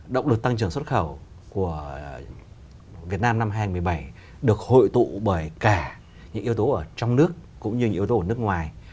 động lực tăng trưởng xuất khẩu của việt nam năm hai nghìn một mươi bảy được hội tụ bởi cả những yếu tố ở trong nước cũng như yếu tố ở nước ngoài